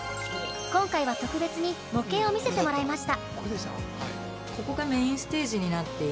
今回は特別に模型を見せてもらいました。